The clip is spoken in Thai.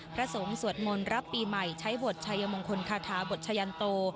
พระสงฆ์สวดมนต์รับปีใหม่ใช้บทชายมงคลคาถาบทชะยันโต